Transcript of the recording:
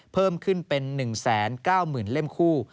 เพิ่มขึ้นเป็น๑๙๐๐๐เล่มคู่